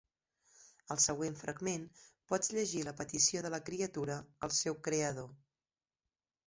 Al següent fragment pots llegir la petició de la criatura al seu creador.